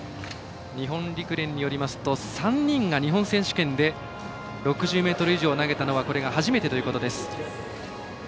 日本陸連によりますと３人が日本選手権で６０ｍ以上を投げたのはこれが初めてということです。